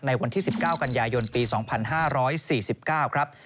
วันที่๑๙กันยายนปี๒๕๔๙ครับ